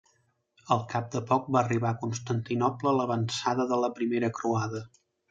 Al cap de poc va arribar a Constantinoble l'avançada de la primera Croada.